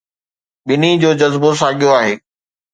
ٻنهي جو جذبو ساڳيو آهي